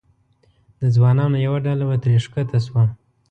د ځوانانو یوه ډله به ترې ښکته شوه.